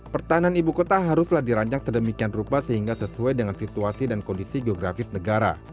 pertahanan ibu kota haruslah dirancang sedemikian rupa sehingga sesuai dengan situasi dan kondisi geografis negara